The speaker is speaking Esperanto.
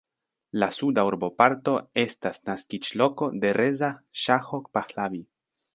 La suda urboparto estas naskiĝloko de Reza Ŝaho Pahlavi.